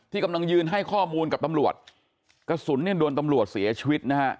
ที่กำลังยืนให้ข้อมูลกับตำรวจกระสุนโดนตำรวจเสียชีวิต